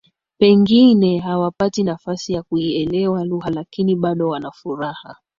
Pengine hawapati nafasi ya kuielewa lugha lakini bado wana furaha